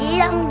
eh siang dud